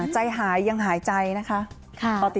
ใจหายังหายใจนะคะตอบติดตามด้วย